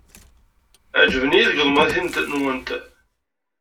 Ɛejbent-iyi tgeḍmatin-nwent.